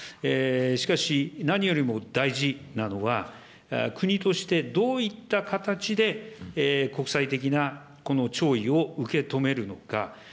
しかし、何よりも大事なのは、国として、どういった形で国際的なこの弔意を受け止めるのか。